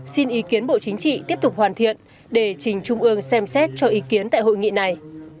xin ý kiến bộ chính trị tiếp tục hoàn thiện để trình trung ương xem xét cho ý kiến tại hội nghị này